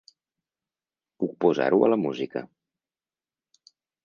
Puc posar-ho a la música.